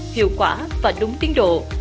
hiệu quả và đúng tiến độ